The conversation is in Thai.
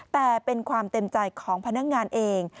แต่เป็นความเต็มใจของพนักงานเอง